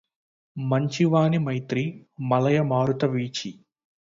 మంచి వాని మైత్రి మలయమారుత వీచి